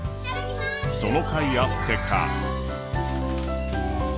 そのかいあってか。